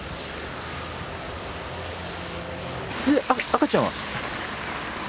赤ちゃんは？